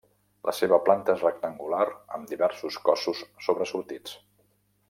La seva planta és rectangular amb diversos cossos sobresortits.